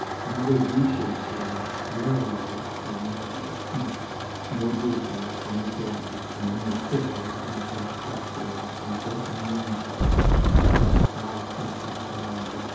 Another V shaped salient, narrower than that of Ypres, more dismal, and as deadly, among the pit heads and the black dust hills and the broken mine shafts of that foul country beyond Loos.